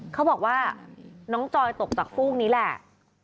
เขาบอกว่าน้องจอยตกจากฟูกนี้แหละ